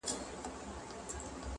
چى وطن ته دي بللي خياطان دي؛